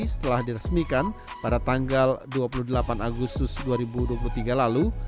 setelah diresmikan pada tanggal dua puluh delapan agustus dua ribu dua puluh tiga lalu